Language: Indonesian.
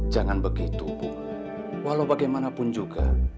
jangan begitu bu walaubagaimanapun juga